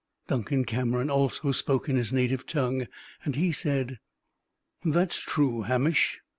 Duncan Cameron also spoke in his native tongue, and he said: "That is true, Hamish.